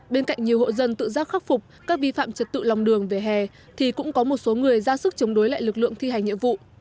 bên cạnh nhiều hộ dân tự giác khắc phục các vi phạm trật tự lòng đường về hè thì cũng có một số người ra sức chống đối lại lực lượng thi hành nhiệm vụ